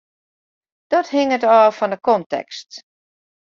Dat hinget ôf fan de kontekst.